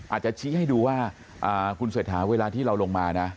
อาจจะชี้ให้ดูว่าคุณเศรษฐาเวลาที่เราลงมานะ